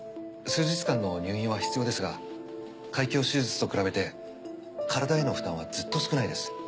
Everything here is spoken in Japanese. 数日間の入院は必要ですが開胸手術と比べて体への負担はずっと少ないです。